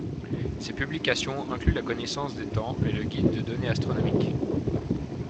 Ces publications incluent la Connaissance des temps et le Guide de données astronomiques.